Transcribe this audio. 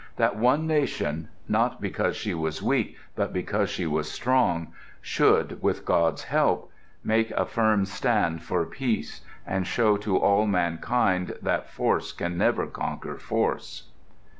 That one nation—not because she was weak, but because she was strong—should, with God's help, make a firm stand for peace and show to all mankind that force can never conquer force.